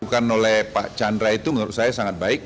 bukan oleh pak chandra itu menurut saya sangat baik